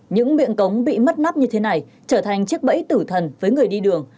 những miệng cống bị mất nắp như thế này trở thành chiếc bẫy tử thần với người đi đường